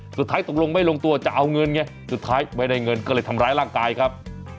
สุดท้ายตกลงไม่ลงตัวจะเอาเงินไงสุดท้ายไม่ได้เงินก็เลยทำร้ายร่างกายครับ